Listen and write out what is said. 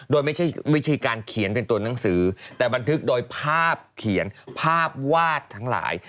โดยไม่ใช่วิธีการเขียนเป็นตัวหนังสือแต่บันทึกโดยภาพเขียนภาพวาดทั้งหลาย